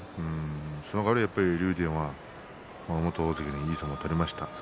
その代わり、竜電は元大関にいい相撲を取りました。